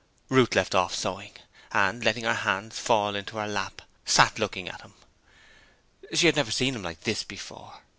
Ruth left off sewing, and, letting her hands fall into her lap, sat looking at him. She had never seen him like this before.